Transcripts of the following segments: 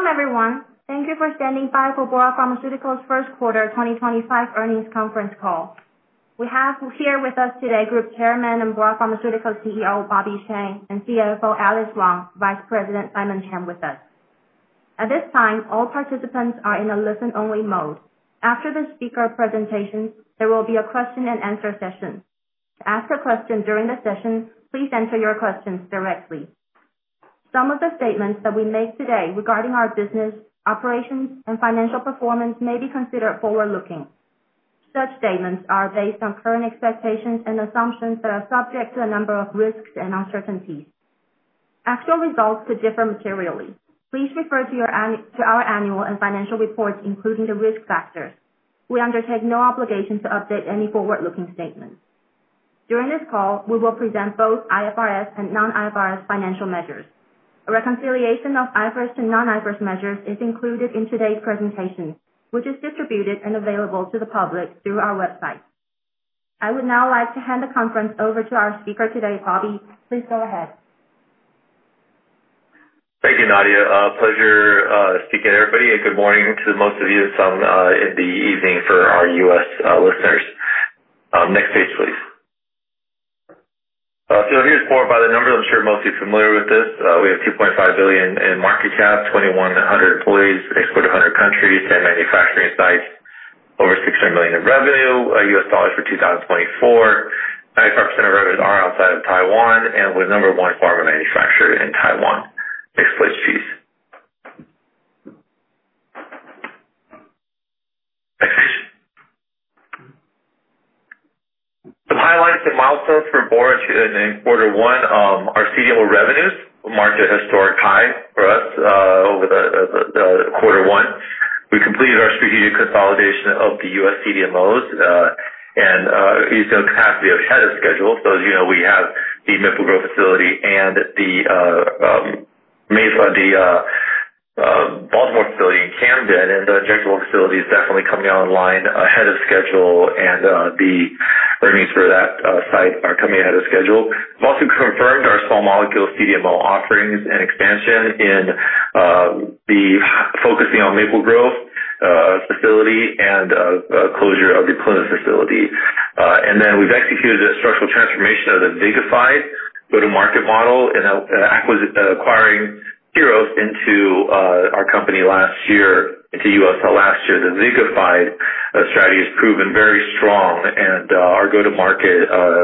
Welcome, everyone. Thank you for standing by for Bora Pharmaceuticals' First Quarter 2025 Earnings Conference Call. We have here with us today Group Chairman and Bora Pharmaceuticals CEO Bobby Sheng, and CFO Alice Wang, Vice President Simon Cheng with us. At this time, all participants are in a listen-only mode. After the speaker presentations, there will be a question-and-answer session. To ask a question during the session, please enter your questions directly. Some of the statements that we make today regarding our business, operations, and financial performance may be considered forward-looking. Such statements are based on current expectations and assumptions that are subject to a number of risks and uncertainties. Actual results could differ materially. Please refer to our annual and financial reports, including the risk factors. We undertake no obligation to update any forward-looking statements. During this call, we will present both IFRS and non-IFRS financial measures. A reconciliation of IFRS to non-IFRS measures is included in today's presentation, which is distributed and available to the public through our website. I would now like to hand the conference over to our speaker today, Bobby. Please go ahead. Thank you, Nadiya. Pleasure speaking to everybody, and good morning to most of you this time in the evening for our U.S. listeners. Next page, please. Here is Bora by the numbers. I'm sure most of you are familiar with this. We have 2.5 billion in market cap, 2,100 employees, export to 100 countries and manufacturing sites, over 600 million in revenue, U.S. dollars for 2024. 95% of revenues are outside of Taiwan, and we're the number one pharma manufacturer in Taiwan. Next slide, please. Next page. The highlights and milestones for Bora in quarter one are CDMO revenues, which marked a historic high for us over quarter one. We completed our strategic consolidation of the U.S. CDMOs and used the capacity ahead of schedule. As you know, we have the MIPS growth facility and the Baltimore facility in Camden, and the Jeju facility is definitely coming online ahead of schedule, and the earnings for that site are coming ahead of schedule. We've also confirmed our small molecule CDMO offerings and expansion focusing on the Maple Grove facility, and closure of the Clinton facility. We've executed a structural transformation of the VIGAFYDE go-to-market model and acquired USL into our company last year. The VIGAFYDE strategy has proven very strong, and our go-to-market,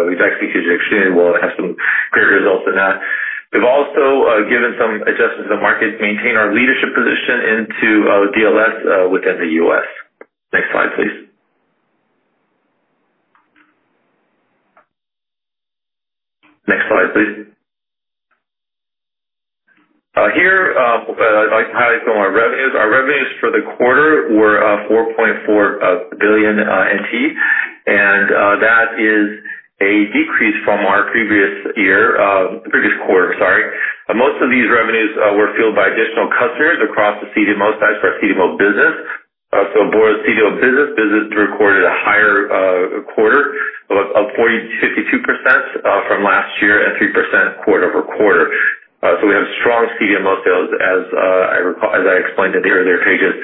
we've executed extremely well and have some great results in that. We've also given some adjustments to the market to maintain our leadership position into DLS within the U.S. Next slide, please. Next slide, please. Here, I'd like to highlight some of our revenues. Our revenues for the quarter were 4.4 billion NT, and that is a decrease from our previous year, previous quarter, sorry. Most of these revenues were fueled by additional customers across the CDMO sites for our CDMO business. Bora's CDMO business recorded a higher quarter of 52% from last year and 3% quarter-over-quarter. We have strong CDMO sales, as I explained in the earlier pages.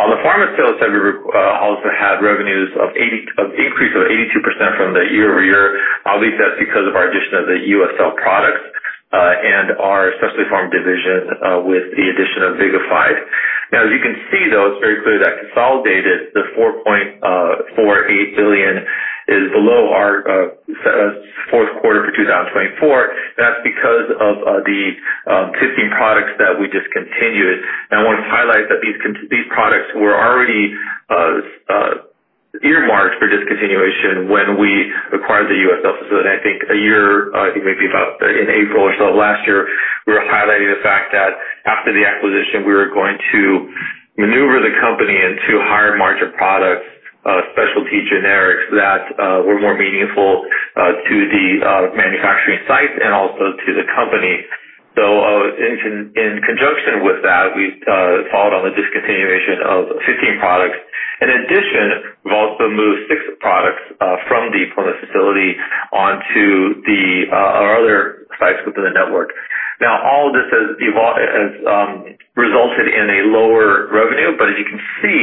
On the pharma sales, we also had revenues of increase of 82% from the year-over-year. Obviously, that's because of our addition of the USL products and our specialty pharma division with the addition of Vigify. Now, as you can see, though, it's very clear that consolidated, the 4.48 billion is below our fourth quarter for 2024, and that's because of the 15 products that we discontinued. I want to highlight that these products were already earmarked for discontinuation when we acquired the USL facility. I think a year, I think maybe about in April or so of last year, we were highlighting the fact that after the acquisition, we were going to maneuver the company into higher-margin products, specialty generics that were more meaningful to the manufacturing sites and also to the company. In conjunction with that, we followed on the discontinuation of 15 products. In addition, we've also moved six products from the Clinton facility onto our other sites within the network. All of this has resulted in a lower revenue, but as you can see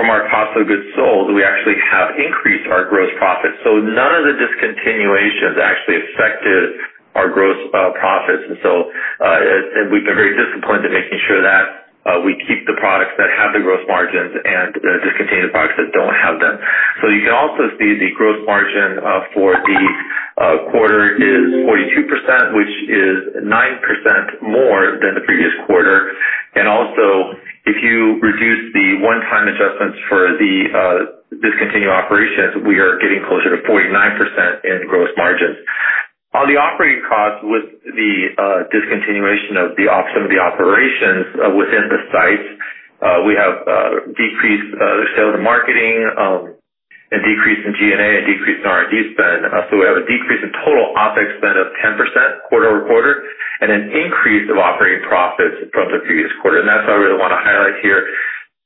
from our cost of goods sold, we actually have increased our gross profits. None of the discontinuations actually affected our gross profits. We have been very disciplined in making sure that we keep the products that have the gross margins and discontinue the products that do not have them. You can also see the gross margin for the quarter is 42%, which is 9% more than the previous quarter. Also, if you reduce the one-time adjustments for the discontinued operations, we are getting closer to 49% in gross margins. On the operating costs, with the discontinuation of some of the operations within the sites, we have decreased sales and marketing, a decrease in G&A, a decrease in R&D spend. We have a decrease in total OpEx spend of 10% quarter-over-quarter and an increase of operating profits from the previous quarter. That is what I really want to highlight here,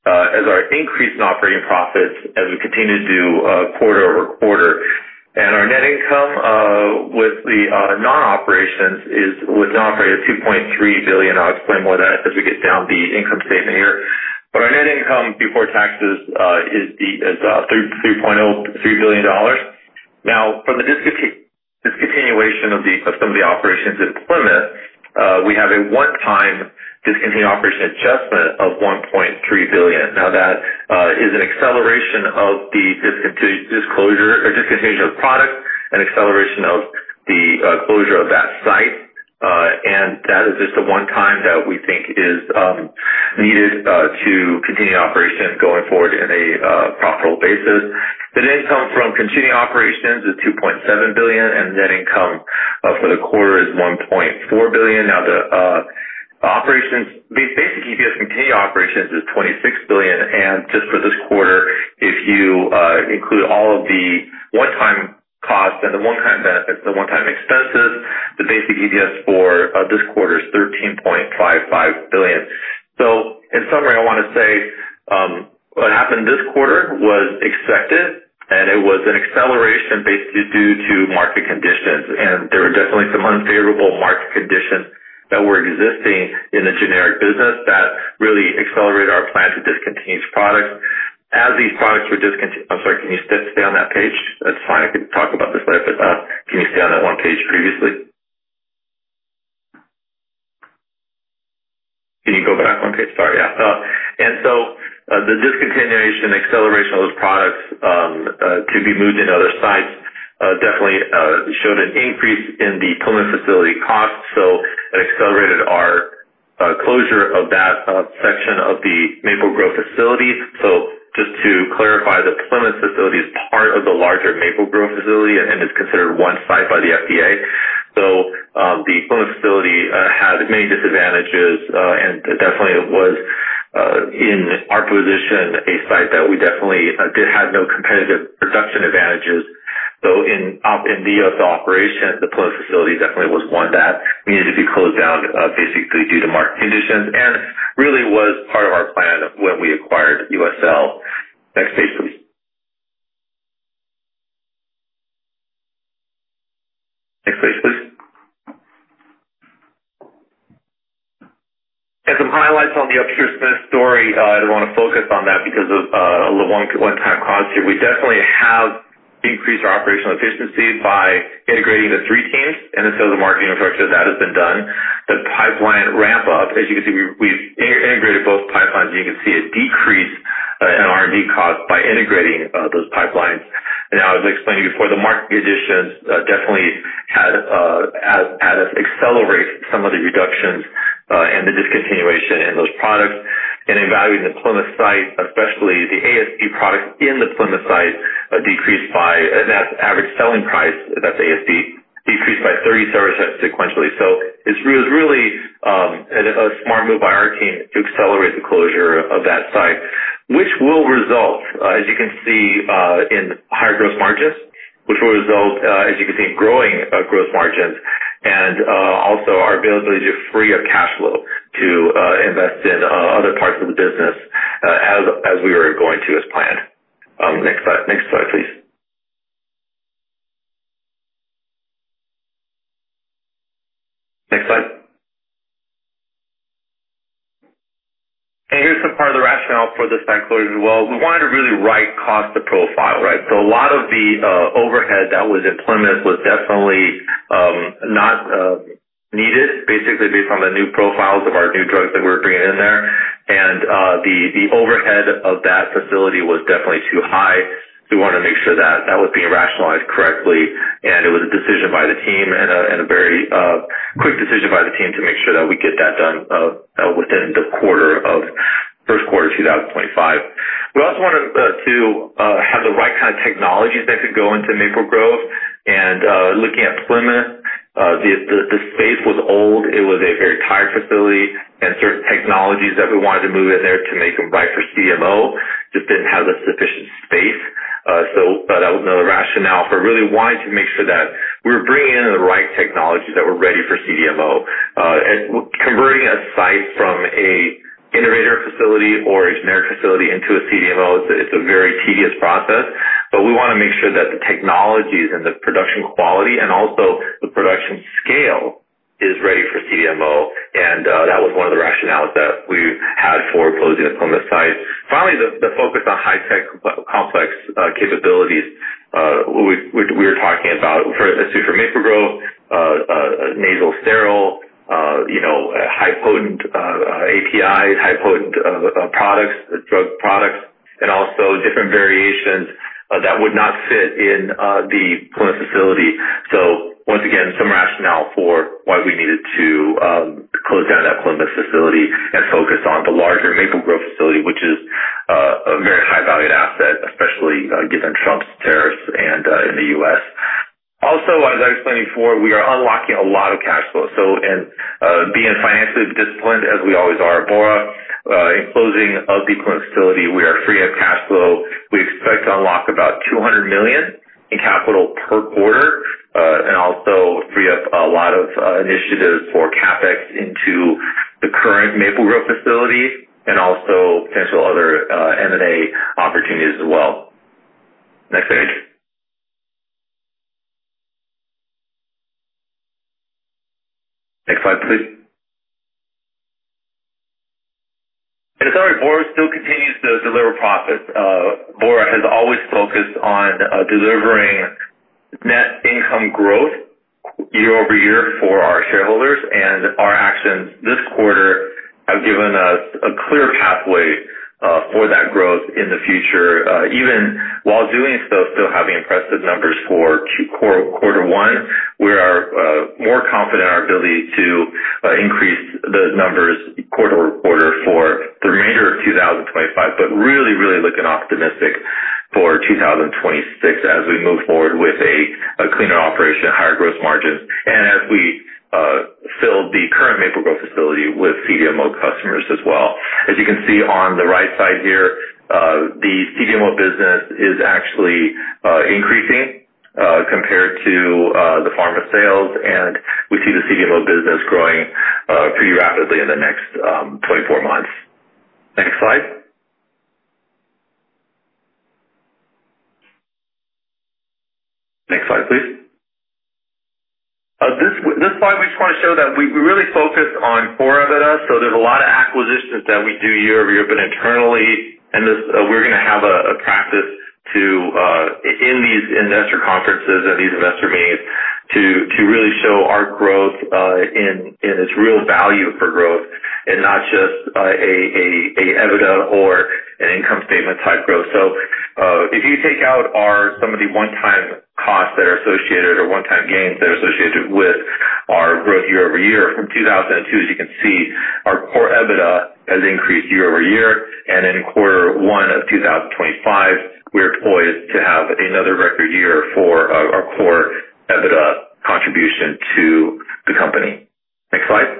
our increase in operating profits as we continue to do quarter-over-quarter. Our net income with the non-operations is with non-operations 2.3 billion. I'll explain more of that as we get down the income statement here. Our net income before taxes is 3.03 billion dollars. From the discontinuation of some of the operations in Clinton, we have a one-time discontinued operation adjustment of 1.3 billion. That is an acceleration of the disclosure or discontinuation of products and acceleration of the closure of that site. That is just a one-time that we think is needed to continue operations going forward in a profitable basis. The net income from continuing operations is 2.7 billion, and the net income for the quarter is 1.4 billion. The operations, the basic EPS from continued operations is 26 billion. Just for this quarter, if you include all of the one-time costs and the one-time benefits, the one-time expenses, the basic EPS for this quarter is 13.55 billion. In summary, I want to say what happened this quarter was expected, and it was an acceleration due to market conditions. There were definitely some unfavorable market conditions that were existing in the generic business that really accelerated our plan to discontinue these products. As these products were discontinued—I'm sorry, can you stay on that page? That's fine. I could talk about this later, but can you stay on that one page previously? Can you go back one page? Sorry. The discontinuation and acceleration of those products to be moved into other sites definitely showed an increase in the Clinton facility costs. It accelerated our closure of that section of the Maple Grove facility. Just to clarify, the Clinton facility is part of the larger Maple Grove facility and is considered one site by the FDA. The Clinton facility had many disadvantages, and definitely it was, in our position, a site that we definitely did have no competitive production advantages. In the U.S. operations, the Clinton facility definitely was one that needed to be closed down basically due to market conditions and really was part of our plan when we acquired USL. Next page, please. Next page, please. Some highlights on the upstream of this story, I want to focus on that because of the one-time cost here. We definitely have increased our operational efficiency by integrating the three teams, and the sales and marketing infrastructure that has been done. The pipeline ramp-up, as you can see, we have integrated both pipelines. You can see a decrease in R&D costs by integrating those pipelines. As I was explaining before, the market conditions definitely had us accelerate some of the reductions and the discontinuation in those products. Evaluating the Clinton site, especially the ASP products in the Clinton site, decreased by—and that's average selling price, that's ASP—decreased by 37% sequentially. It was really a smart move by our team to accelerate the closure of that site, which will result, as you can see, in higher gross margins, which will result, as you can see, in growing gross margins and also our ability to free up cash flow to invest in other parts of the business as we were going to as planned. Next slide, please. Next slide. Here's some part of the rationale for this bank closure as well. We wanted to really right-cost the profile, right? A lot of the overhead that was in Clinton was definitely not needed, basically based on the new profiles of our new drugs that we were bringing in there. The overhead of that facility was definitely too high. We wanted to make sure that that was being rationalized correctly, and it was a decision by the team and a very quick decision by the team to make sure that we get that done within the quarter of first quarter 2025. We also wanted to have the right kind of technologies that could go into Maple Grove. Looking at Clinton, the space was old. It was a very tired facility, and certain technologies that we wanted to move in there to make them right for CDMO just did not have the sufficient space. That was another rationale for really wanting to make sure that we were bringing in the right technologies that were ready for CDMO. Converting a site from an innovator facility or a generic facility into a CDMO, it's a very tedious process. We want to make sure that the technologies and the production quality and also the production scale is ready for CDMO. That was one of the rationales that we had for closing the Clinton site. Finally, the focus on high-tech complex capabilities we were talking about for Maple Grove, nasal sterile, high-potent APIs, high-potent drug products, and also different variations that would not fit in the Clinton facility. Once again, some rationale for why we needed to close down that Clinton facility and focus on the larger Maple Grove facility, which is a very high-valued asset, especially given Trump's tariffs in the U.S. Also, as I explained before, we are unlocking a lot of cash flow. In being financially disciplined, as we always are at Bora, in closing of the Clinton facility, we are freeing up cash flow. We expect to unlock about 200 million in capital per quarter and also free up a lot of initiatives for CapEx into the current Maple Grove facility and also potential other M&A opportunities as well. Next page. Next slide, please. Sorry, Bora still continues to deliver profits. Bora has always focused on delivering net income growth year-over-year for our shareholders. Our actions this quarter have given us a clear pathway for that growth in the future. Even while doing so, still having impressive numbers for quarter one, we are more confident in our ability to increase the numbers quarter-over-quarter for the remainder of 2025, but really, really looking optimistic for 2026 as we move forward with a cleaner operation, higher gross margins, and as we fill the current Maple Grove facility with CDMO customers as well. As you can see on the right side here, the CDMO business is actually increasing compared to the pharma sales, and we see the CDMO business growing pretty rapidly in the next 24 months. Next slide. Next slide, please. This slide, we just want to show that we really focus on four of it. There are a lot of acquisitions that we do year-over-year, but internally, we're going to have a practice in these investor conferences and these investor meetings to really show our growth and its real value for growth and not just an EBITDA or an income statement type growth. If you take out some of the one-time costs that are associated or one-time gains that are associated with our growth year-over-year from 2002, as you can see, our core EBITDA has increased year-over-year. In quarter one of 2025, we're poised to have another record year for our core EBITDA contribution to the company. Next slide.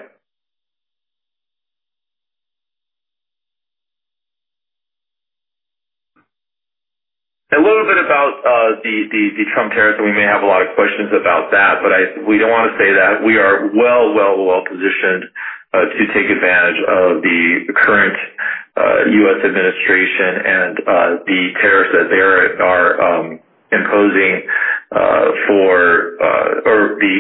A little bit about the Trump tariff, and we may have a lot of questions about that, but we don't want to say that. We are well, well, well positioned to take advantage of the current U.S. Administration and the tariffs that they are imposing for or the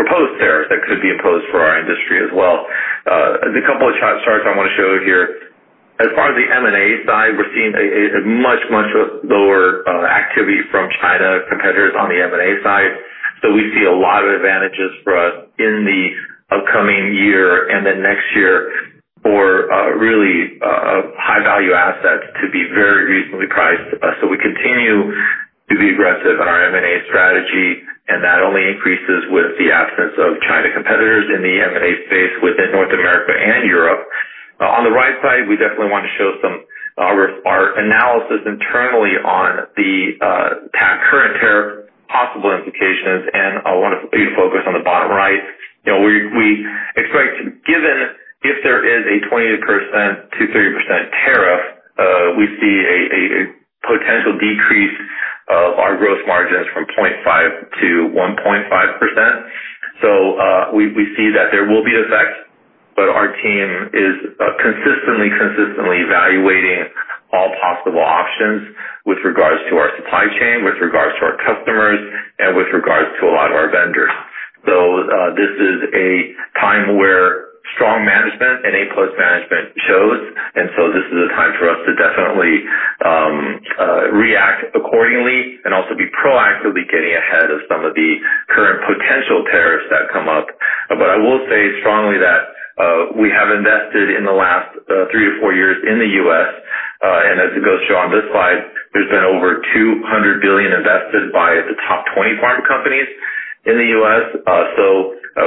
proposed tariffs that could be imposed for our industry as well. A couple of charts, I want to show here. As far as the M&A side, we're seeing a much, much lower activity from China competitors on the M&A side. We see a lot of advantages for us in the upcoming year and then next year for really high-value assets to be very reasonably priced. We continue to be aggressive in our M&A strategy, and that only increases with the absence of China competitors in the M&A space within North America and Europe. On the right side, we definitely want to show some of our analysis internally on the current tariff possible implications and want to focus on the bottom right. We expect, given if there is a 20%-30% tariff, we see a potential decrease of our gross margins from 0.5%-1.5%. We see that there will be an effect, but our team is consistently evaluating all possible options with regards to our supply chain, with regards to our customers, and with regards to a lot of our vendors. This is a time where strong management and A-plus management shows. This is a time for us to definitely react accordingly and also be proactively getting ahead of some of the current potential tariffs that come up. I will say strongly that we have invested in the last three to four years in the U.S. As it goes on this slide, there has been over 200 billion invested by the top 20 pharma companies in the U.S.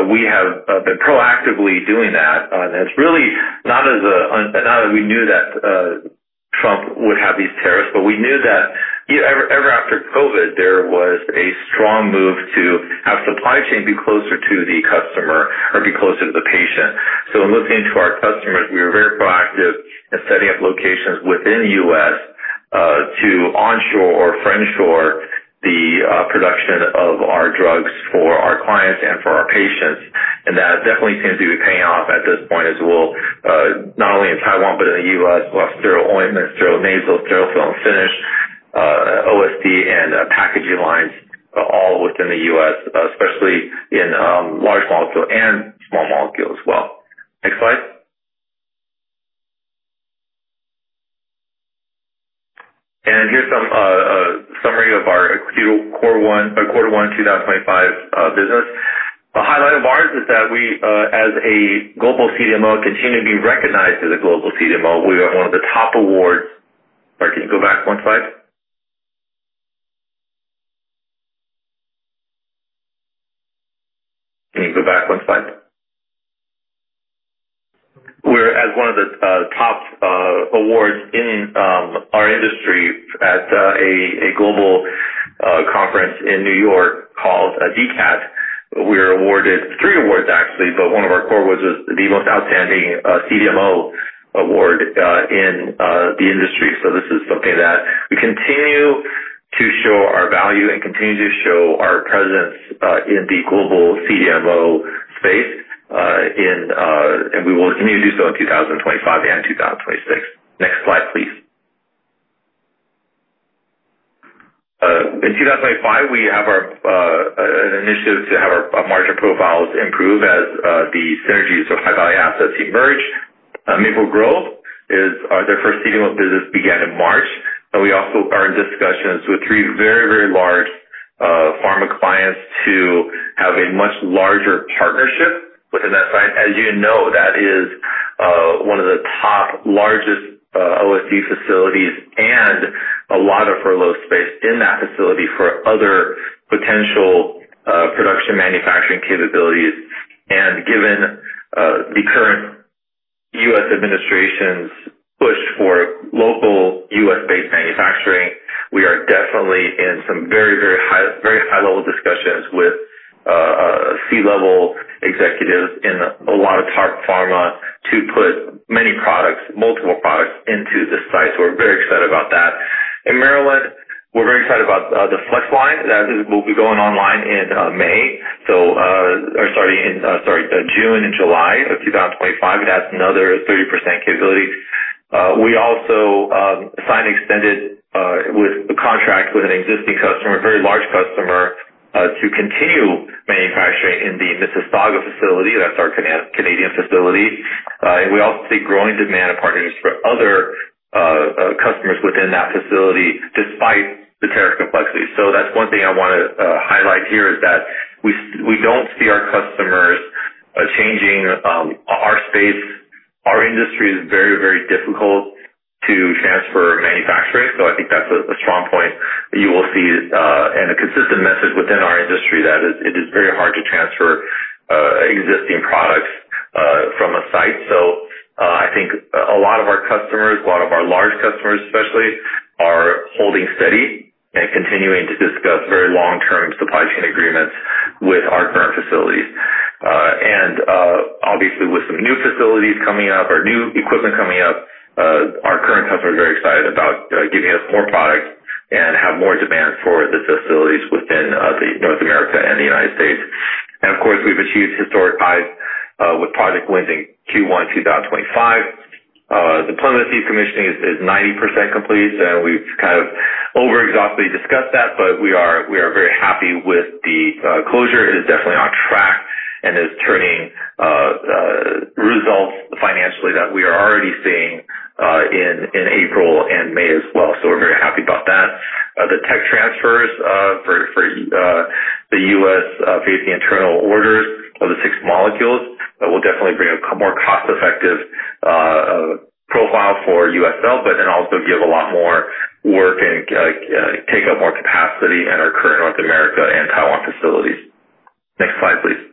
We have been proactively doing that. It is really not as we knew that Trump would have these tariffs, but we knew that ever after COVID, there was a strong move to have supply chain be closer to the customer or be closer to the patient. In looking into our customers, we were very proactive in setting up locations within the U.S. to onshore or friendshore the production of our drugs for our clients and for our patients. That definitely seems to be paying off at this point as well, not only in Taiwan, but in the U.S., like Sterile ointments, Sterile nasal, Sterile film finish, OSD, and packaging lines, all within the U.S., especially in large molecule and small molecule as well. Next slide. Here is some summary of our quarter one 2025 business. A highlight of ours is that we, as a global CDMO, continue to be recognized as a global CDMO. We are one of the top awards. Sorry, can you go back one slide? Can you go back one slide? We are at one of the top awards in our industry at a global conference in New York called DCAT. We were awarded three awards, actually, but one of our core awards was the most outstanding CDMO award in the industry. This is something that we continue to show our value and continue to show our presence in the global CDMO space, and we will continue to do so in 2025 and 2026. Next slide, please. In 2025, we have an initiative to have our margin profiles improve as the synergies of high-value assets emerge. Maple Grove, their first CDMO business began in March. We also are in discussions with three very, very large pharma clients to have a much larger partnership within that site. As you know, that is one of the top largest OSD facilities and a lot of furlough space in that facility for other potential production manufacturing capabilities. Given the current U.S. administration's push for local U.S.-based manufacturing, we are definitely in some very, very high-level discussions with C-level executives in a lot of top pharma to put many products, multiple products into the site. We are very excited about that. In Maryland, we are very excited about the FlexLine that will be going online in June and July of 2025. That is another 30% capability. We also signed an extended contract with an existing customer, a very large customer, to continue manufacturing in the Mississauga facility. That is our Canadian facility. We also see growing demand and partnerships for other customers within that facility despite the tariff complexity. One thing I want to highlight here is that we do not see our customers changing our space. Our industry is very, very difficult to transfer manufacturing. I think that is a strong point that you will see and a consistent message within our industry that it is very hard to transfer existing products from a site. I think a lot of our customers, a lot of our large customers especially, are holding steady and continuing to discuss very long-term supply chain agreements with our current facilities. Obviously, with some new facilities coming up or new equipment coming up, our current customers are very excited about giving us more product and have more demand for the facilities within North America and the United States. Of course, we've achieved historic highs with project wins in Q1 2025. The Plymouth Seed Commission is 90% complete, and we've kind of over-exhaustively discussed that, but we are very happy with the closure. It is definitely on track and is turning results financially that we are already seeing in April and May as well. We are very happy about that. The tech transfers for the U.S. facing internal orders of the six molecules will definitely bring a more cost-effective profile for USL, but then also give a lot more work and take up more capacity at our current North America and Taiwan facilities. Next slide, please.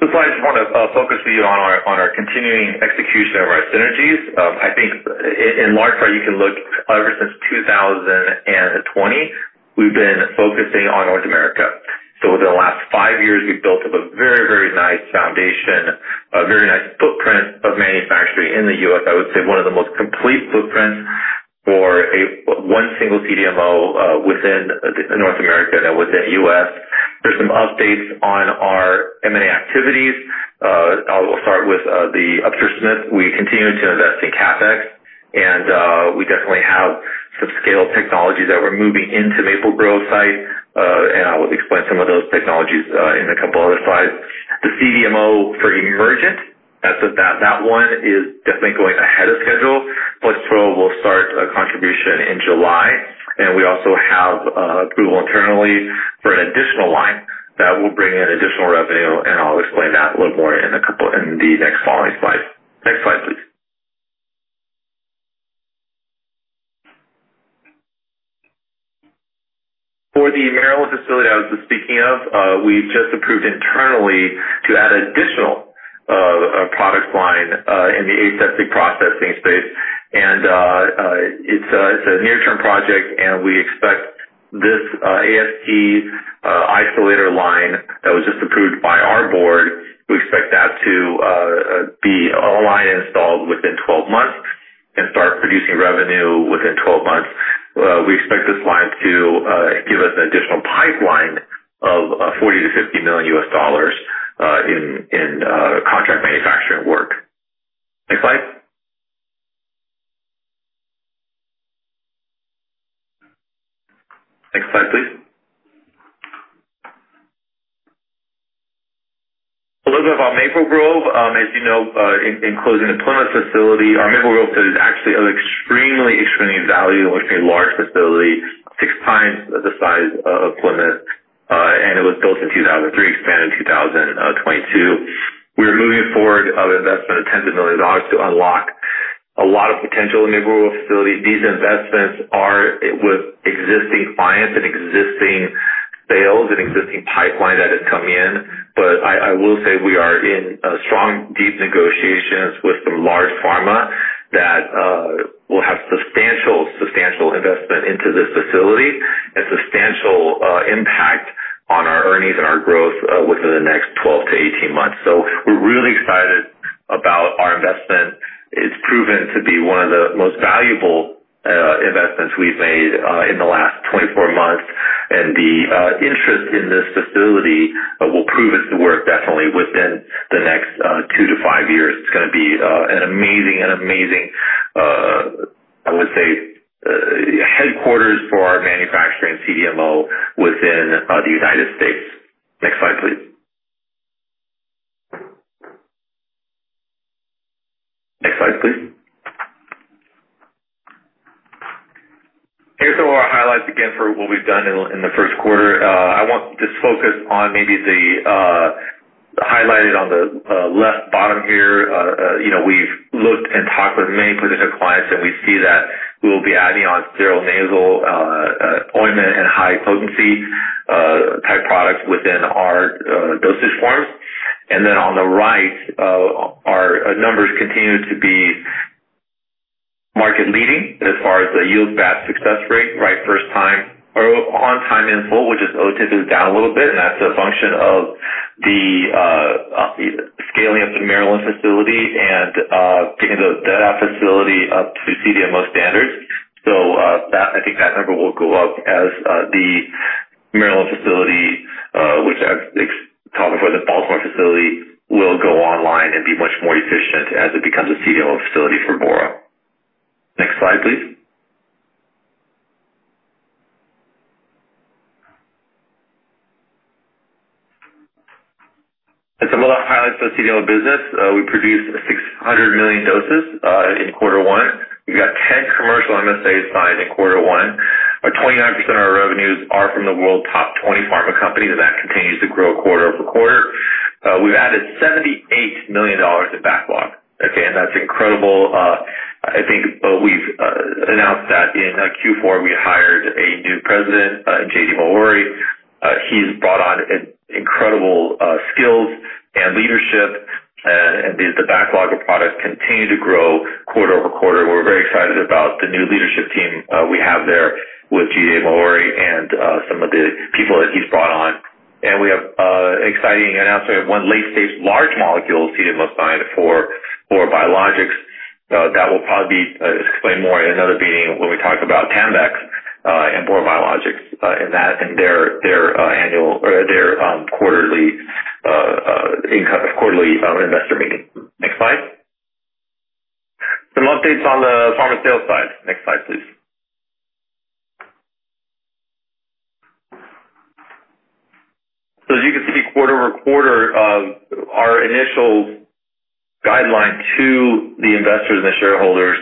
This slide just want to focus you on our continuing execution of our synergies. I think in large part, you can look ever since 2020, we've been focusing on North America. Within the last five years, we've built up a very, very nice foundation, a very nice footprint of manufacturing in the U.S. I would say one of the most complete footprints for one single CDMO within North America and within the U.S. There are some updates on our M&A activities. I'll start with the Upsher-Smith. We continue to invest in CapEx, and we definitely have some scale technologies that we're moving into Maple Grove site. I will explain some of those technologies in a couple of other slides. The CDMO for Emergent, that one is definitely going ahead of schedule. FlexPro will start a contribution in July. We also have approval internally for an additional line that will bring in additional revenue. I'll explain that a little more in the next following slides. Next slide, please. For the Maryland facility I was just speaking of, we've just approved internally to add an additional product line in the aseptic processing space. It's a near-term project, and we expect this AST isolator line that was just approved by our board. We expect that to be a line installed within 12 months and start producing revenue within 12 months. We expect this line to give us an additional pipeline of TWD 40 million-TWD 50 million in contract manufacturing work. Next slide. Next slide, please. A little bit about Maple Grove. As you know, in closing the Plymouth facility, our Maple Grove facility is actually extremely, extremely valuable, which is a large facility, six times the size of Plymouth. It was built in 2003, expanded in 2022. We are moving forward with an investment of 10 billion dollars to unlock a lot of potential in the Maple Grove facility. These investments are with existing clients and existing sales and existing pipeline that has come in. I will say we are in strong, deep negotiations with some large pharma that will have substantial, substantial investment into this facility and substantial impact on our earnings and our growth within the next 12-18 months. We are really excited about our investment. It's proven to be one of the most valuable investments we've made in the last 24 months. The interest in this facility will prove its worth definitely within the next two to five years. It's going to be an amazing, an amazing, I would say, headquarters for our manufacturing CDMO within the U.S. Next slide, please. Next slide, please. Here's some of our highlights again for what we've done in the first quarter. I want to just focus on maybe the highlighted on the left bottom here. We've looked and talked with many potential clients, and we see that we will be adding on Sterile nasal ointment and high-potency type products within our dosage forms. On the right, our numbers continue to be market-leading as far as the yield-batch success rate, right? First time or on-time in full, which is OTIF, is down a little bit. That's a function of the scaling up the Maryland facility and getting that facility up to CDMO standards. I think that number will go up as the Maryland facility, which I've talked before, the Baltimore facility, will go online and be much more efficient as it becomes a CDMO facility for Bora. Next slide, please. Some of the highlights of the CDMO business. We produced 600 million doses in quarter one. We have 10 commercial MSAs signed in quarter one. 29% of our revenues are from the world's top 20 pharma companies, and that continues to grow quarter-over-quarter. we have added $78 million in backlog. That is incredible. I think we announced that in Q4, we hired a new President, J.D. Mulroy. He has brought on incredible skills and leadership, and the backlog of products continues to grow quarter-over-quarter. we are very excited about the new leadership team we have there with J.D. Mulroy and some of the people that he has brought on. We have exciting announcements. One late-stage large molecule CDMO signed for Bora Biologics that will probably be explained more in another meeting when we talk about Tanvex and Bora Biologics in that and their annual or their quarterly investor meeting. Next slide. Some updates on the pharma sales side. Next slide, please. As you can see, quarter-over-quarter, our initial guideline to the investors and the shareholders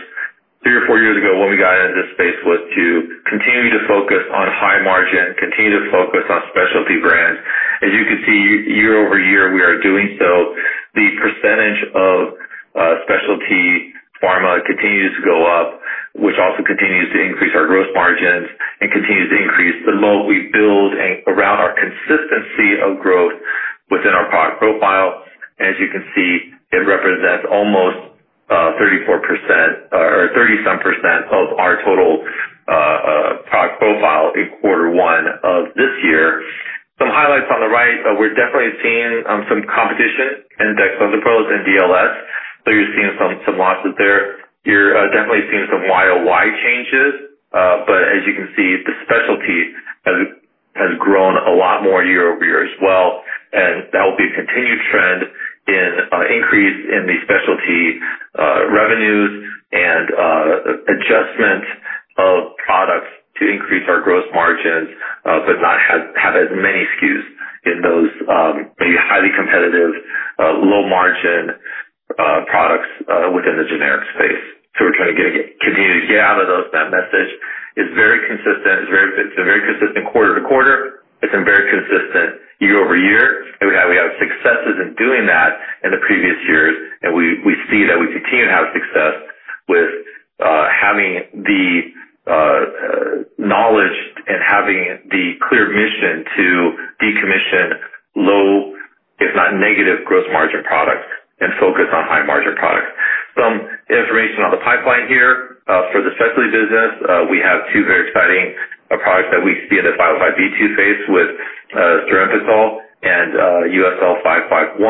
three or four years ago when we got into this space was to continue to focus on high margin, continue to focus on specialty brands. As you can see, year-over-year, we are doing so. The percentage of specialty pharma continues to go up, which also continues to increase our gross margins and continues to increase the load we build around our consistency of growth within our product profile. As you can see, it represents almost 34% or 30-some % of our total product profile in quarter one of this year. Some highlights on the right. We're definitely seeing some competition index on the pros and DLS. You're seeing some losses there. You're definitely seeing some YOY changes. As you can see, the specialty has grown a lot more year-over-year as well. That will be a continued trend in increase in the specialty revenues and adjustment of products to increase our gross margins, but not have as many SKUs in those maybe highly competitive low-margin products within the generic space. We're trying to continue to get out of that message. It's very consistent. It's been very consistent quarter-to-quarter. It's been very consistent year-over-year. We have successes in doing that in the previous years. We see that we continue to have success with having the knowledge and having the clear mission to decommission low, if not negative gross margin products and focus on high-margin products. Some information on the pipeline here for the specialty business. We have two very exciting products that we see in the 505(b)(2) phase with Serenpitol and USL 551.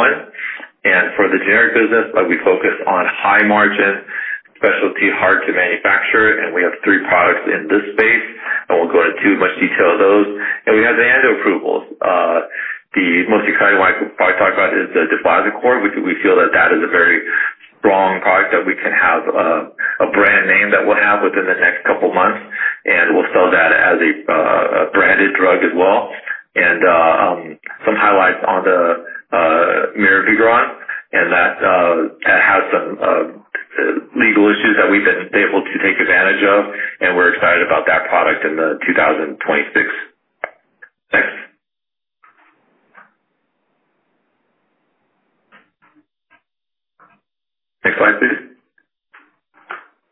For the generic business, we focus on high-margin specialty hard-to-manufacture. We have three products in this space. I won't go into too much detail of those. We have the end approvals. The most exciting one I could probably talk about is the DiflatoCore. We feel that that is a very strong product that we can have a brand name that we'll have within the next couple of months. We'll sell that as a branded drug as well. Some highlights on the Mirabegron. That has some legal issues that we've been able to take advantage of. We're excited about that product in 2026. Next slide, please.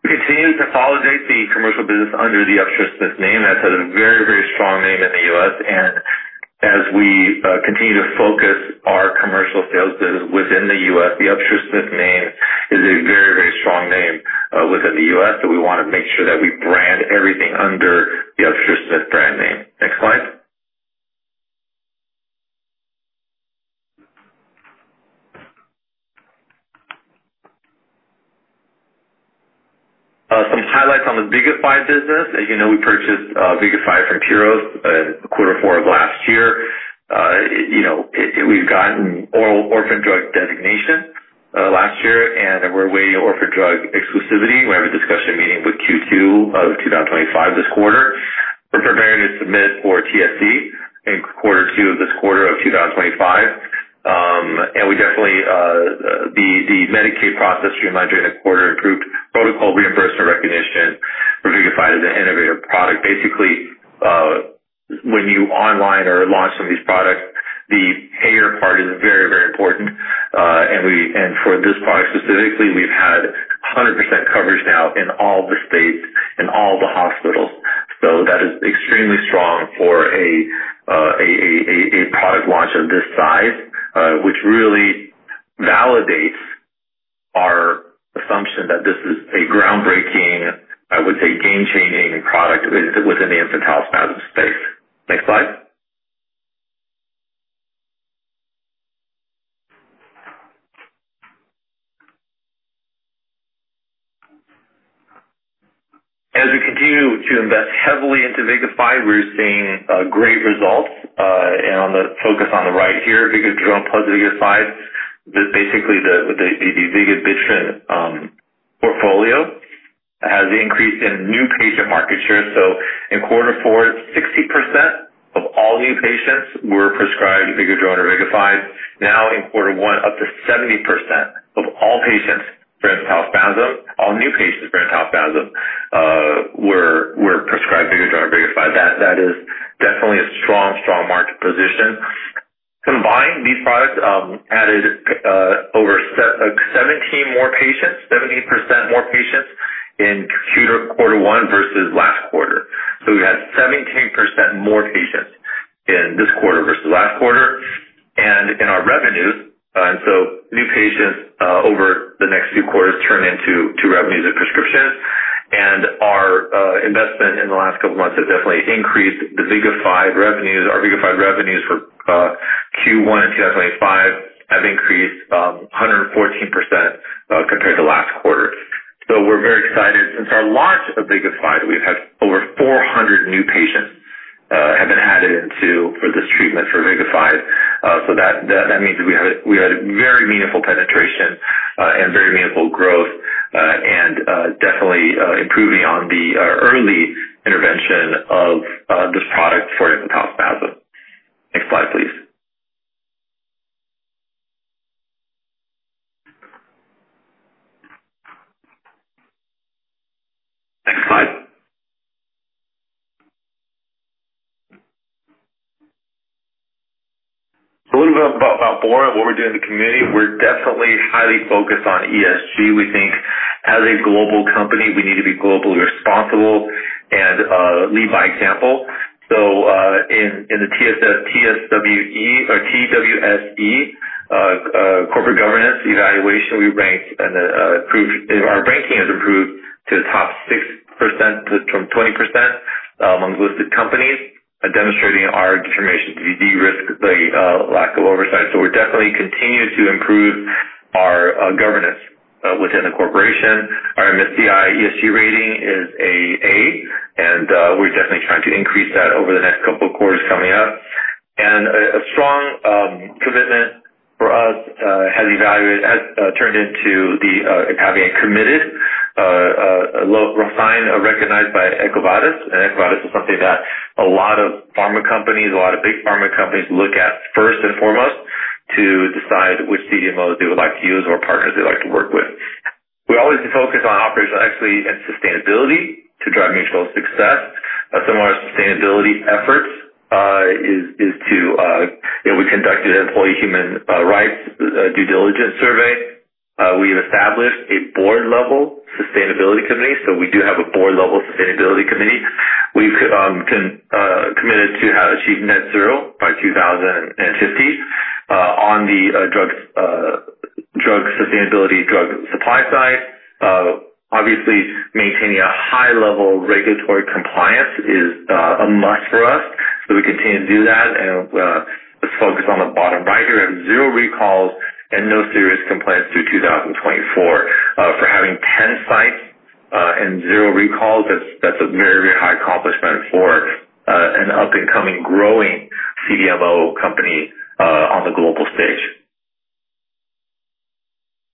We continue to consolidate the commercial business under the Upsher-Smith name. That's a very, very strong name in the U.S. As we continue to focus our commercial sales business within the U.S., the Upsher-Smith name is a very, very strong name within the U.S. We want to make sure that we brand everything under the Upsher-Smith brand name. Next slide. Some highlights on the Vigify business. As you know, we purchased Vigify from Puros in quarter four of last year. We've gotten orphan drug designation last year. We're waiting on orphan drug exclusivity. We have a discussion meeting with Q2 of 2025 this quarter. We're preparing to submit for TSC in quarter two of this quarter of 2025. We definitely had the Medicaid process streamlined during the quarter, improved protocol reimbursement recognition for Vigify as an innovative product. Basically, when you online or launch some of these products, the payer part is very, very important. For this product specifically, we've had 100% coverage now in all the states and all the hospitals. That is extremely strong for a product launch of this size, which really validates our assumption that this is a groundbreaking, I would say, game-changing product within the infantile spasm space. Next slide. As we continue to invest heavily into Vigify, we're seeing great results. On the focus on the right here, Vigidrone plus Vigify, basically the vigabatrin portfolio has increased in new patient market share. In quarter four, 60% of all new patients were prescribed Vigidrone or Vigify. Now in quarter one, up to 70% of all patients for infantile spasm, all new patients for infantile spasm were prescribed Vigadrone or Vigify. That is definitely a strong, strong market position. Combined, these products added over 17% more patients in quarter one versus last quarter. We had 17% more patients in this quarter versus last quarter. In our revenues, new patients over the next few quarters turn into revenues and prescriptions. Our investment in the last couple of months has definitely increased the Vigify revenues. Our Vigify revenues for Q1 in 2025 have increased 114% compared to last quarter. We are very excited. Since our launch of Vigify, we have had over 400 new patients added into this treatment for Vigify. That means we had very meaningful penetration and very meaningful growth and definitely improving on the early intervention of this product for infantile spasm. Next slide, please. Next slide. A little bit about Bora and what we are doing in the community. We are definitely highly focused on ESG. We think as a global company, we need to be globally responsible and lead by example. In the TWSE corporate governance evaluation, we ranked and our ranking has improved to the top 6% from 20% amongst listed companies, demonstrating our determination to de-risk the lack of oversight. We are definitely continuing to improve our governance within the corporation. Our MSCI ESG rating is an A, and we are definitely trying to increase that over the next couple of quarters coming up. A strong commitment for us has turned into having a committed sign recognized by EcoVadis. EcoVadis is something that a lot of pharma companies, a lot of big pharma companies look at first and foremost to decide which CDMOs they would like to use or partners they'd like to work with. We always focus on operational equity and sustainability to drive mutual success. A similar sustainability effort is to. We conducted an employee human rights due diligence survey. We have established a board-level sustainability committee. We do have a board-level sustainability committee. We've committed to achieving net zero by 2050 on the drug sustainability drug supply side. Obviously, maintaining a high-level regulatory compliance is a must for us. We continue to do that. Let's focus on the bottom right here. We have zero recalls and no serious complaints through 2024. For having 10 sites and zero recalls, that's a very, very high accomplishment for an up-and-coming, growing CDMO company on the global stage.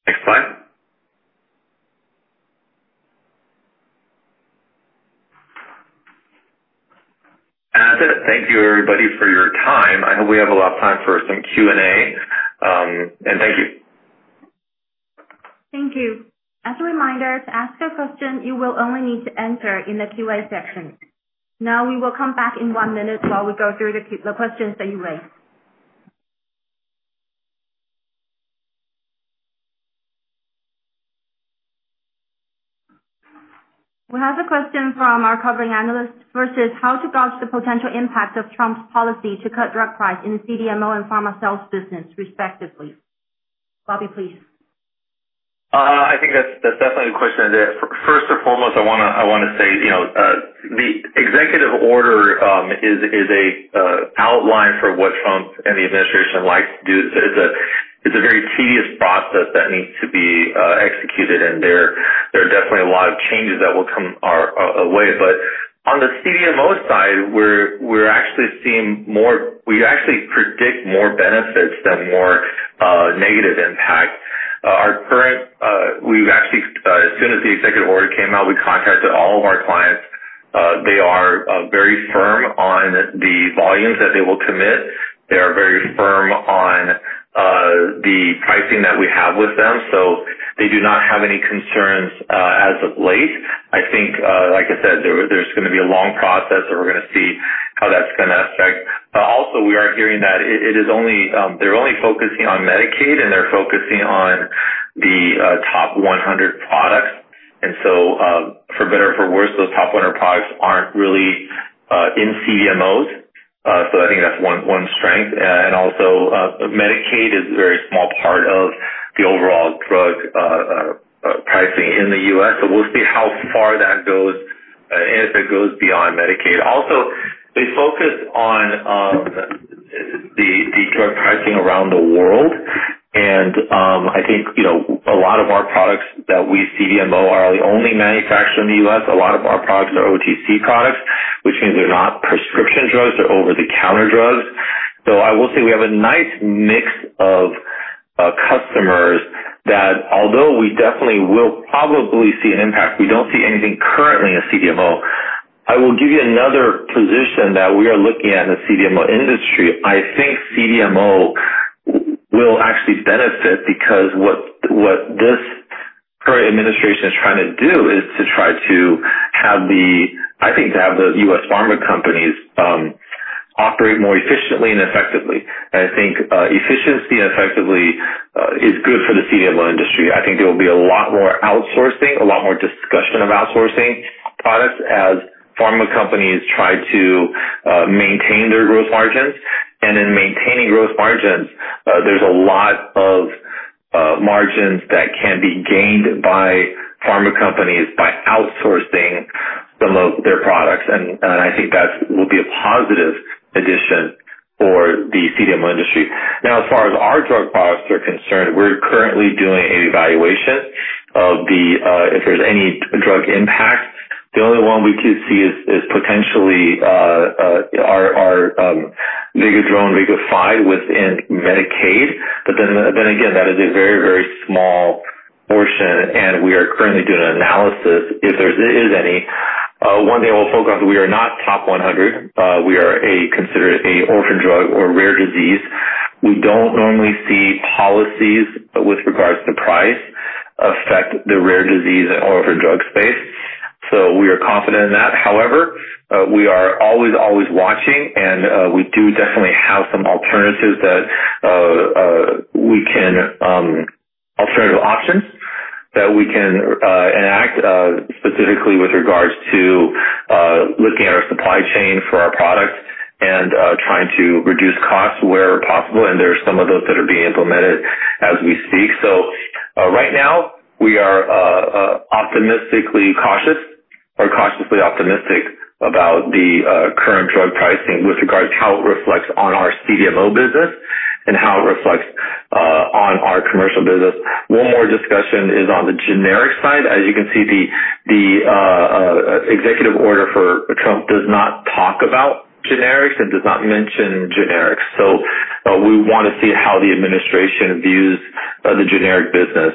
Next slide. I would say thank you, everybody, for your time. I hope we have a lot of time for some Q&A. Thank you. Thank you. As a reminder, to ask a question, you will only need to answer in the Q&A section. Now we will come back in one minute while we go through the questions that you raised. We have a question from our covering analyst versus how to gauge the potential impact of Trump's policy to cut drug price in the CDMO and pharma sales business, respectively. Bobby, please. I think that's definitely the question. First and foremost, I want to say the executive order is an outline for what Trump and the administration likes to do. It's a very tedious process that needs to be executed. There are definitely a lot of changes that will come our way. On the CDMO side, we're actually seeing more, we actually predict more benefits than more negative impact. Our current, we've actually, as soon as the executive order came out, we contacted all of our clients. They are very firm on the volumes that they will commit. They are very firm on the pricing that we have with them. They do not have any concerns as of late. I think, like I said, there's going to be a long process, and we're going to see how that's going to affect. Also, we are hearing that they're only focusing on Medicaid, and they're focusing on the top 100 products. For better or for worse, those top 100 products aren't really in CDMOs. I think that's one strength. Also, Medicaid is a very small part of the overall drug pricing in the U.S. We'll see how far that goes and if it goes beyond Medicaid. They focus on the drug pricing around the world. I think a lot of our products that we CDMO are the only manufacturer in the U.S. A lot of our products are OTC products, which means they're not prescription drugs, they're over-the-counter drugs. I will say we have a nice mix of customers that, although we definitely will probably see an impact, we don't see anything currently in CDMO. I will give you another position that we are looking at in the CDMO industry. I think CDMO will actually benefit because what this current administration is trying to do is to try to have the, I think, to have the U.S. Pharma companies operate more efficiently and effectively. I think efficiency and effectively is good for the CDMO industry. I think there will be a lot more outsourcing, a lot more discussion of outsourcing products as pharma companies try to maintain their gross margins. In maintaining gross margins, there is a lot of margins that can be gained by pharma companies by outsourcing some of their products. I think that will be a positive addition for the CDMO industry. Now, as far as our drug products are concerned, we are currently doing an evaluation of if there is any drug impact. The only one we could see is potentially our Vigadrone and Vigify within Medicaid. Then again, that is a very, very small portion. We are currently doing analysis if there is any. One thing I will focus on is we are not top 100. We are considered an orphan drug or rare disease. We do not normally see policies with regards to price affect the rare disease and orphan drug space. We are confident in that. However, we are always, always watching. We do definitely have some alternatives that we can, alternative options that we can enact specifically with regards to looking at our supply chain for our products and trying to reduce costs where possible. There are some of those that are being implemented as we speak. Right now, we are optimistically cautious or cautiously optimistic about the current drug pricing with regards to how it reflects on our CDMO business and how it reflects on our commercial business. One more discussion is on the generic side. As you can see, the executive order for Trump does not talk about generics and does not mention generics. We want to see how the administration views the generic business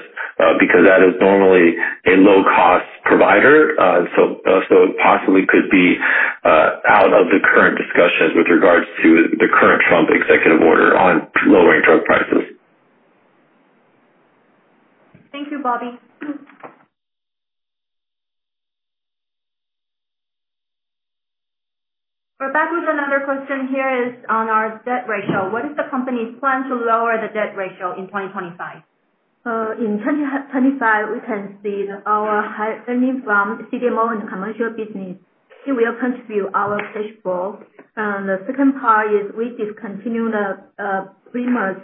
because that is normally a low-cost provider. It possibly could be out of the current discussions with regards to the current Trump executive order on lowering drug prices. Thank you, Bobby. We're back with another question here on our debt ratio. What is the company's plan to lower the debt ratio in 2025? In 2025, we can see our earnings from CDMO and the commercial business. We will contribute our cash flow. The second part is we discontinue the premise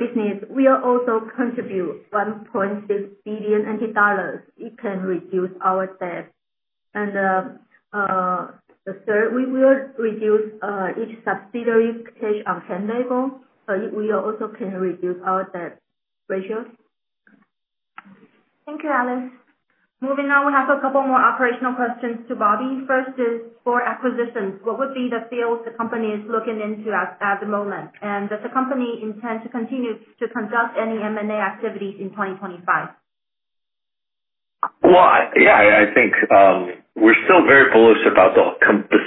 business. We will also contribute 1.6 billion. It can reduce our debt. The third, we will reduce each subsidiary cash on hand level. We also can reduce our debt ratio. Thank you, Alice. Moving on, we have a couple more operational questions to Bobby. First is for acquisitions. What would be the fields the company is looking into at the moment? And does the company intend to continue to conduct any M&A activities in 2025? Yeah, I think we're still very bullish about the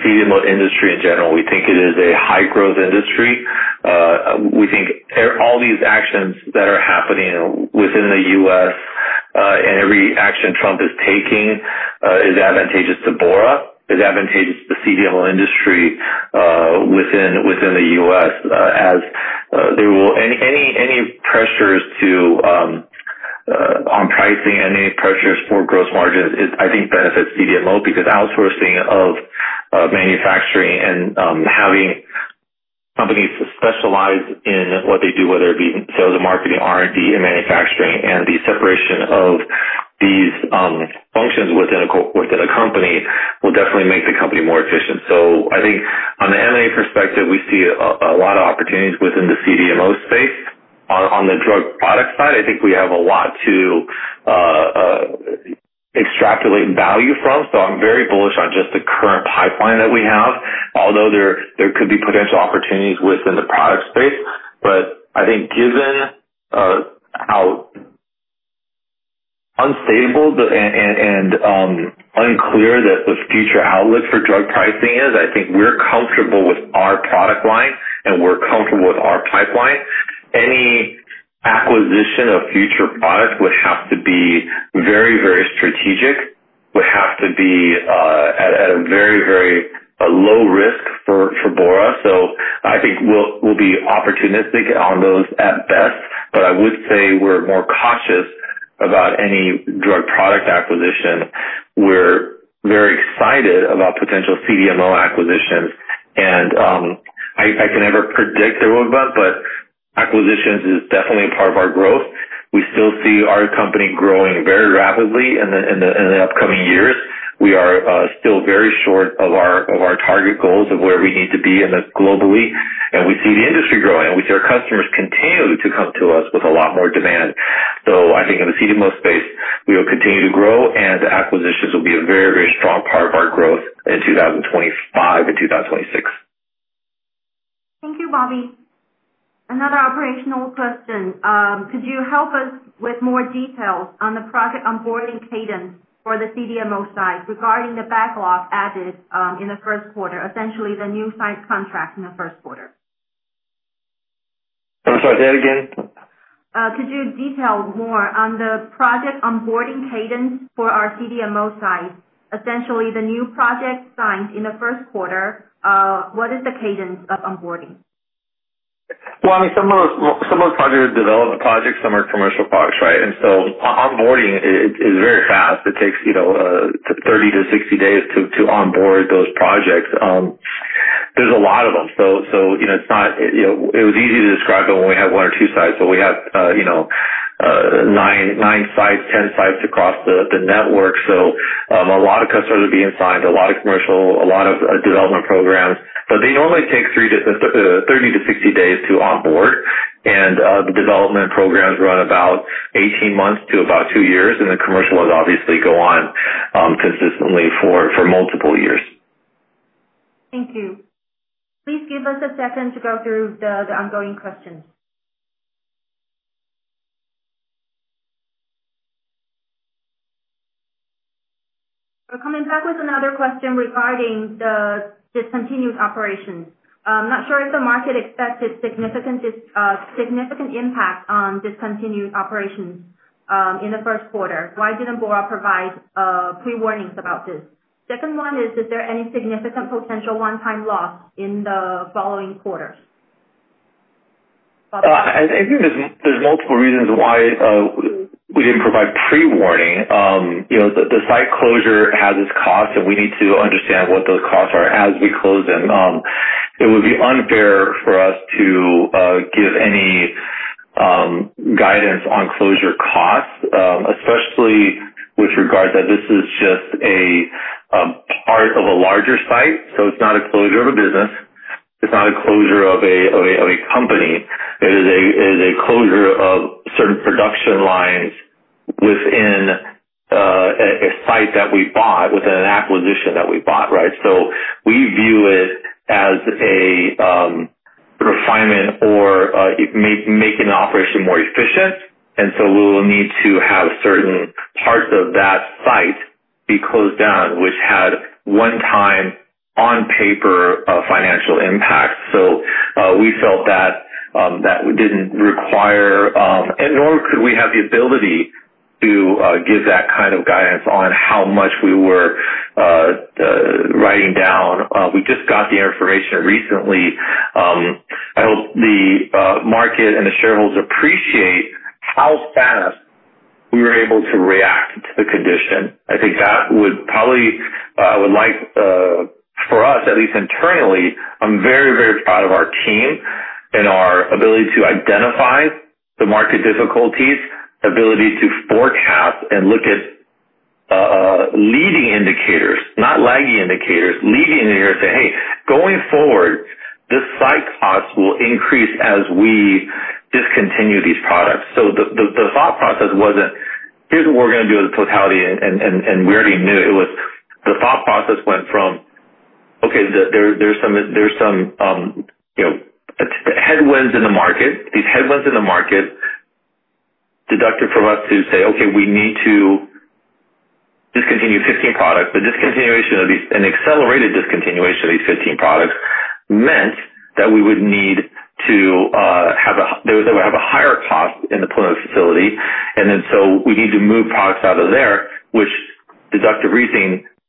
CDMO industry in general. We think it is a high-growth industry. We think all these actions that are happening within the U.S. and every action Trump is taking is advantageous to Bora, is advantageous to the CDMO industry within the U.S. As there will be any pressures on pricing, any pressures for gross margins, I think benefits CDMO because outsourcing of manufacturing and having companies specialize in what they do, whether it be sales and marketing, R&D, and manufacturing, and the separation of these functions within a company will definitely make the company more efficient. I think on the M&A perspective, we see a lot of opportunities within the CDMO space. On the drug product side, I think we have a lot to extrapolate value from. I'm very bullish on just the current pipeline that we have, although there could be potential opportunities within the product space. I think given how unstable and unclear the future outlook for drug pricing is, we're comfortable with our product line and we're comfortable with our pipeline. Any acquisition of future products would have to be very, very strategic, would have to be at a very, very low risk for Bora. I think we'll be opportunistic on those at best. I would say we're more cautious about any drug product acquisition. We're very excited about potential CDMO acquisitions. I can never predict the roadmap, but acquisitions is definitely a part of our growth. We still see our company growing very rapidly in the upcoming years. We are still very short of our target goals of where we need to be globally. We see the industry growing. We see our customers continue to come to us with a lot more demand. I think in the CDMO space, we will continue to grow. Acquisitions will be a very, very strong part of our growth in 2025 and 2026. Thank you, Bobby. Another operational question. Could you help us with more details on the project onboarding cadence for the CDMO side regarding the backlog added in the first quarter, essentially the new signed contract in the first quarter? I'm sorry, say that again. Could you detail more on the project onboarding cadence for our CDMO side? Essentially, the new project signed in the first quarter, what is the cadence of onboarding? Some of the projects are development projects, some are commercial products, right? Onboarding is very fast. It takes 30-60 days to onboard those projects. There are a lot of them. It was easy to describe it when we had one or two sites. We have 9-10 sites across the network. A lot of customers are being signed, a lot of commercial, a lot of development programs. They normally take 30-60 days to onboard. The development programs run about 18 months to about two years. The commercial ones obviously go on consistently for multiple years. Thank you. Please give us a second to go through the ongoing questions. We are coming back with another question regarding the discontinued operations. I'm not sure if the market expected significant impact on discontinued operations in the first quarter. Why didn't Bora provide pre-warnings about this? Second one is, is there any significant potential one-time loss in the following quarters? I think there's multiple reasons why we didn't provide pre-warning. The site closure has its costs, and we need to understand what those costs are as we close them. It would be unfair for us to give any guidance on closure costs, especially with regard that this is just a part of a larger site. It is not a closure of a business. It is not a closure of a company. It is a closure of certain production lines within a site that we bought, within an acquisition that we bought, right? We view it as a refinement or making the operation more efficient. We will need to have certain parts of that site be closed down, which had one-time on paper financial impacts. We felt that we did not require, nor could we have the ability to give that kind of guidance on how much we were writing down. We just got the information recently. I hope the market and the shareholders appreciate how fast we were able to react to the condition. I think that would probably, I would like for us, at least internally, I'm very, very proud of our team and our ability to identify the market difficulties, ability to forecast and look at leading indicators, not lagging indicators, leading indicators to say, "Hey, going forward, this site cost will increase as we discontinue these products." The thought process was not, "Here's what we're going to do with the totality and where do you need it." The thought process went from, "Okay, there's some headwinds in the market. These headwinds in the market deducted from us to say, 'Okay, we need to discontinue 15 products.'" The discontinuation of these and accelerated discontinuation of these 15 products meant that we would need to have a higher cost in the point of facility. We need to move products out of there, which deduct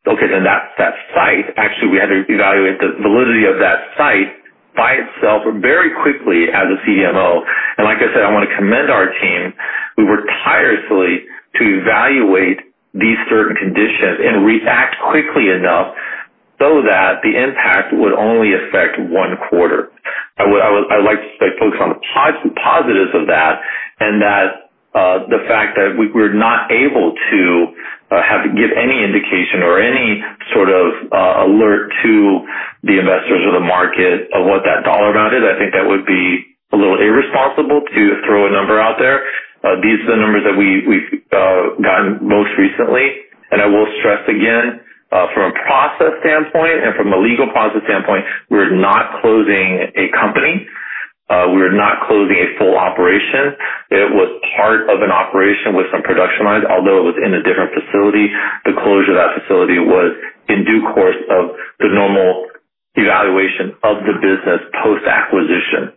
everything. That site, actually, we had to evaluate the validity of that site by itself very quickly as a CDMO. Like I said, I want to commend our team. We were tirelessly to evaluate these certain conditions and react quickly enough so that the impact would only affect one quarter. I would like to focus on the positives of that and the fact that we're not able to give any indication or any sort of alert to the investors or the market of what that dollar amount is. I think that would be a little irresponsible to throw a number out there. These are the numbers that we've gotten most recently. I will stress again, from a process standpoint and from a legal process standpoint, we're not closing a company. We're not closing a full operation. It was part of an operation with some production lines, although it was in a different facility. The closure of that facility was in due course of the normal evaluation of the business post-acquisition.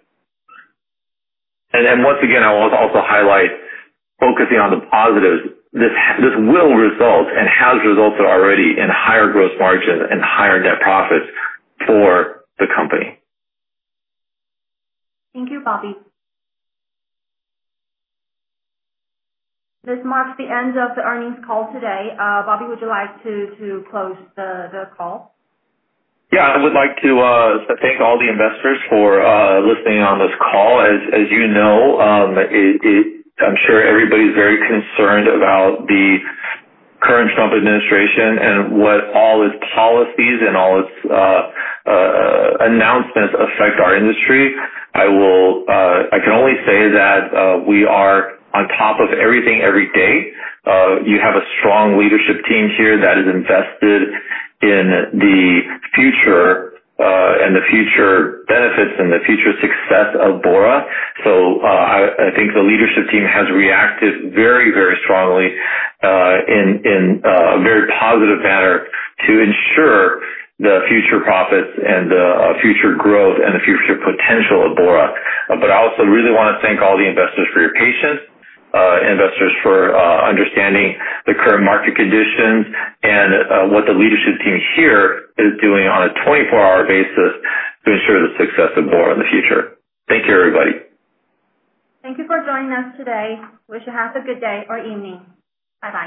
I will also highlight focusing on the positives. This will result and has resulted already in higher gross margins and higher net profits for the company. Thank you, Bobby. This marks the end of the earnings call today. Bobby, would you like to close the call? Yeah, I would like to thank all the investors for listening on this call. As you know, I'm sure everybody's very concerned about the current Trump administration and what all its policies and all its announcements affect our industry. I can only say that we are on top of everything every day. You have a strong leadership team here that is invested in the future and the future benefits and the future success of Bora. I think the leadership team has reacted very, very strongly in a very positive manner to ensure the future profits and the future growth and the future potential of Bora. I also really want to thank all the investors for your patience, investors for understanding the current market conditions and what the leadership team here is doing on a 24-hour basis to ensure the success of Bora in the future. Thank you, everybody. Thank you for joining us today. Wish you have a good day or evening. Bye-bye.